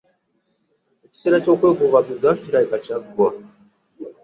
Ekiseera ky'okwekubagiza kirabika kyaggwa.